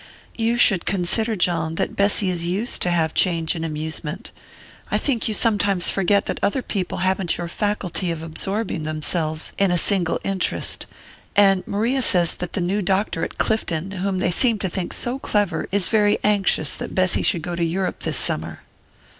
"You should consider, John, that Bessy is used to change and amusement. I think you sometimes forget that other people haven't your faculty of absorbing themselves in a single interest. And Maria says that the new doctor at Clifton, whom they seem to think so clever, is very anxious that Bessy should go to Europe this summer."